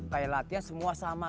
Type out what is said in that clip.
kayak latihan semua sama